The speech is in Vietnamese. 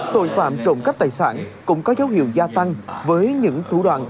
tội phạm trộm cắp tài sản cũng có dấu hiệu gia tăng với những thủ đoạn